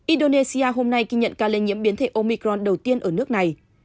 indonesia hôm nay ghi nhận ca lây nhiễm biến thể omicron đầu tiên ở nước này